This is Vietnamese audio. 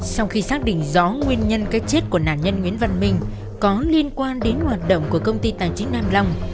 sau khi xác định rõ nguyên nhân cái chết của nạn nhân nguyễn văn minh có liên quan đến hoạt động của công ty tài chính nam long